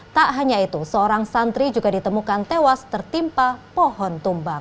tak hanya itu seorang santri juga ditemukan tewas tertimpa pohon tumbang